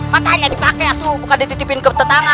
patahnya dipakai bukan dititipin ke tetangga